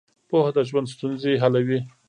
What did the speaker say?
پوهه د ژوند ستونزې حلوي.